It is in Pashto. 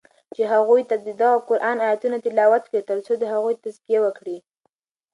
چی هغوی ته ددغه قرآن آیتونه تلاوت کړی تر څو د هغوی تزکیه وکړی